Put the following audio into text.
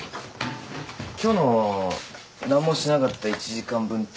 今日の何もしなかった１時間分って出るんすかね。